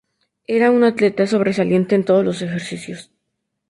Era un atleta sobresaliente en todos los ejercicios.